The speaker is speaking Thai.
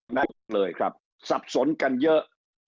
หนักเลยครับสับสนกันเยอะ